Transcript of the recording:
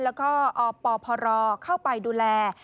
แล้วก็อปพรเข้าไปดูแล